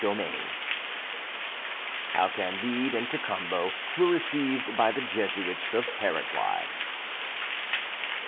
XIV HOW CANDIDE AND CACAMBO WERE RECEIVED BY THE JESUITS OF PARAGUAY.